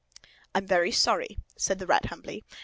"I'm very sorry," said the Rat humbly.